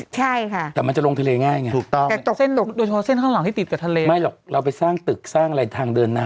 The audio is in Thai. ใช่ค่ะแต่มันจะลงทะเลง่ายไงถูกต้องแต่ตกเส้นตกโดยเฉพาะเส้นข้างหลังที่ติดกับทะเลไม่หรอกเราไปสร้างตึกสร้างอะไรทางเดินน้ำ